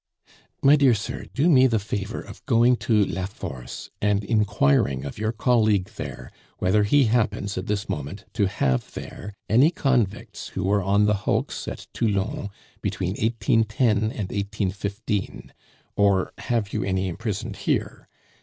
"My dear sir, do me the favor of going to La Force, and inquiring of your colleague there whether he happens at this moment to have there any convicts who were on the hulks at Toulon between 1810 and 1815; or have you any imprisoned here?